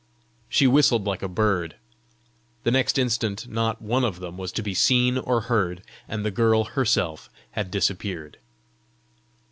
She whistled like a bird. The next instant not one of them was to be seen or heard, and the girl herself had disappeared.